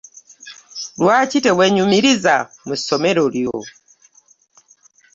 Lwaki tewenyumiriza mu somero lyo?